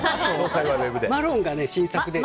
マロンが新作で。